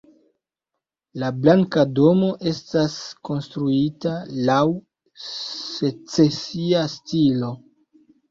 La Blanka Domo estas konstruita laŭ secesia stilo.